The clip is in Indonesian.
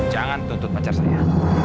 jangan tuntut pacar saya